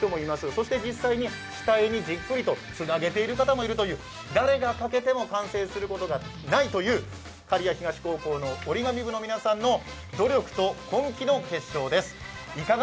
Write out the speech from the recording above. そして実際に機体にじっくりつなげていくという誰が欠けても完成することがないという刈谷東高校の折り紙部の皆さんの努力と根気の結晶です。